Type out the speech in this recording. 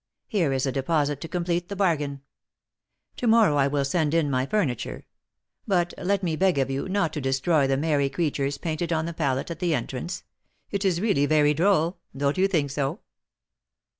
Here is a deposit to complete the bargain. To morrow I will send in my furniture; but let me beg of you not to destroy the merry creatures painted on the palette at the entrance. It is really very droll! Don't you think so?"